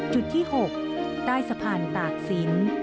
จุดที่๖ใต้สะพานตากศิลป์